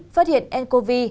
phát hiện ncov